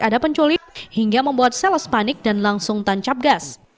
ada penculik hingga membuat sales panik dan langsung tancap gas